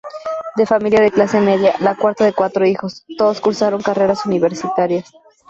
De familia de clase media, la cuarta de cuatro hijos, todos cursaron carreras universitarias.